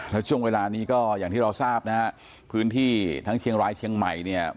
แล้วช่วงเวลานี้ก็อย่างที่เราทราบนะฮะพื้นที่ทั้งเชียงรายเชียงใหม่เนี่ย